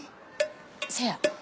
せや。